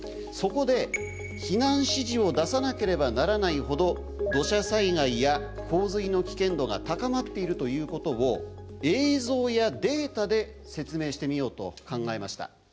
そこで避難指示を出さなければならないほど土砂災害や洪水の危険度が高まっているということを映像やデータで説明してみようと考えました。